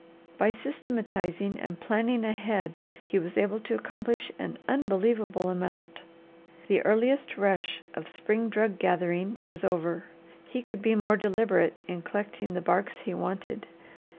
By systematizing and planning ahead he was able to accomplish an unbelievable amount. The earliest rush of spring drug gathering was over. He could be more deliberate in collecting the barks he wanted.